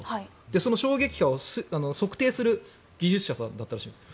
その衝撃波を測定する技術者さんだったらしいんです。